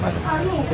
masih sma kayaknya